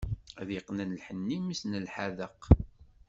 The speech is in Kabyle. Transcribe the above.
Ad yeqqen lḥenni, mmi-s n lḥadeq.